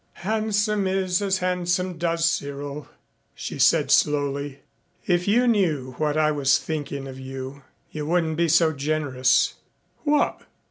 "Handsome is as handsome does, Cyril," she said slowly. "If you knew what I was thinking of, you wouldn't be so generous." "What?"